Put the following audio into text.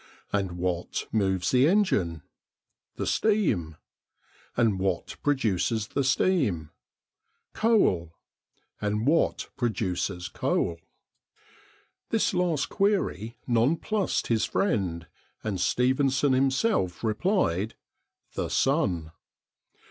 "And what moves the engine?" "The steam." "And what produces the steam?" "Coal." "And what produces coal?" This last query nonplussed his friend, and Stephenson himself replied, "The sun."